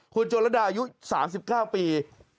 คุณโจรดาอายุ๓๙ปี